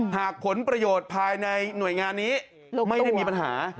ผลประโยชน์ภายในหน่วยงานนี้ไม่ได้มีปัญหา